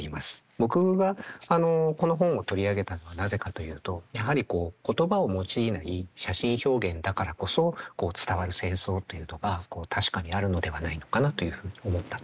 僕がこの本を取り上げたのはなぜかというとやはりこう言葉を用いない写真表現だからこそ伝わる戦争というのが確かにあるのではないのかなというふうに思ったところ。